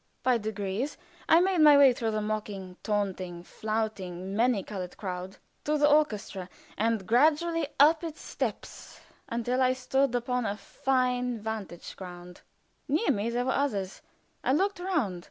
By degrees I made my way through the mocking, taunting, flouting, many colored crowd, to the orchestra, and gradually up its steps until I stood upon a fine vantage ground. Near me were others; I looked round.